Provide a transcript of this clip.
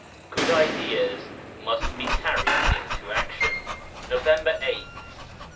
GOOD IDEAS MUST BE CARRIED INTO ACTION November 8th.